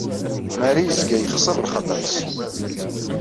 Mari yezga yexṣer lxater-is.